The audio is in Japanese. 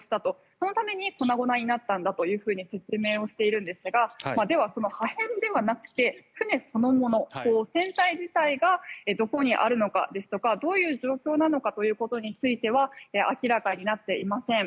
そのために粉々になったんだと説明をしているんですがではその破片ではなくて船そのもの、船体自体がどこにあるのかですとかどういう状況なのかということについては明らかになっていません。